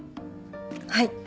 はい。